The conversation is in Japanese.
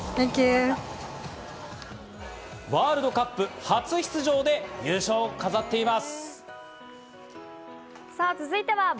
ワールドカップ初出場で優勝を飾っています。